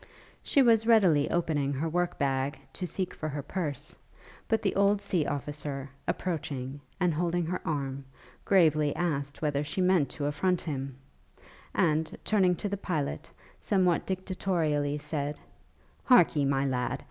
She was readily opening her work bag to seek for her purse, but the old sea officer, approaching, and holding her arm, gravely asked whether she meant to affront him; and, turning to the pilot, somewhat dictatorially said, 'Harkee, my lad!